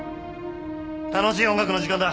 楽しい音楽の時間だ！